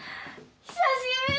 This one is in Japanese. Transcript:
久しぶり！